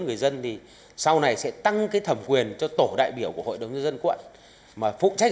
người dân thì sau này sẽ tăng cái thẩm quyền cho tổ đại biểu của hội đồng nhân dân quận mà phụ trách